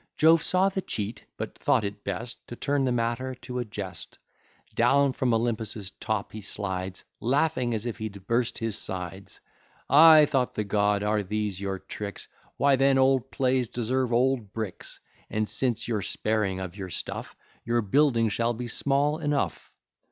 Jove saw the cheat, but thought it best To turn the matter to a jest; Down from Olympus' top he slides, Laughing as if he'd burst his sides: Ay, thought the god, are these your tricks, Why then old plays deserve old bricks; And since you're sparing of your stuff, Your building shall be small enough.